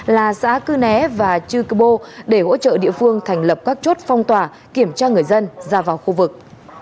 là xã cư né và chư cơ bô để hỗ trợ địa phương thành lập các chốt phong tỏa kiểm tra người dân ra vào khu vực